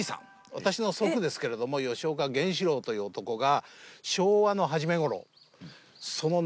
私の祖父ですけれども吉岡源四郎という男が。